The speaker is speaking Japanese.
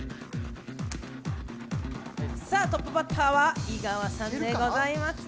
トップバッターは井川さんでございますね。